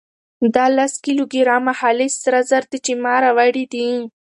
دا لس کيلو ګرامه خالص سره زر دي چې ما راوړي دي.